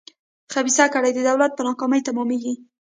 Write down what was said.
خبیثه کړۍ د دولت په ناکامۍ تمامېږي.